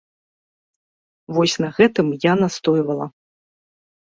Вось на гэтым я настойвала.